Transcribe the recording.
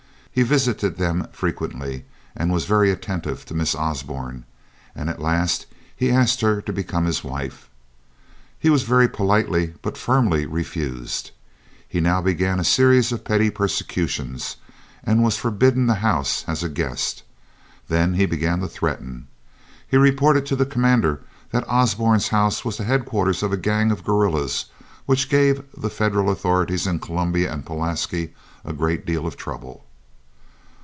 He visited them frequently, was very attentive to Miss Osborne, and at last asked her to become his wife. He was very politely but firmly refused. He now began a series of petty persecutions, and was forbidden the house as a guest. Then he began to threaten. He reported to the commander that Osborne's house was the headquarters of a gang of guerrillas which gave the Federal authorities in Columbia and Pulaski a great deal of trouble.